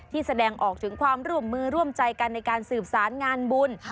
แสดงออกถึงความร่วมมือร่วมใจกันในการสืบสารงานบุญ